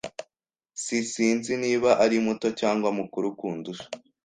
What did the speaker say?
S Sinzi niba ari muto cyangwa mukuru kundusha.